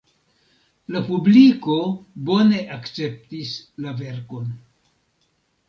La publiko bone akceptis la verkon.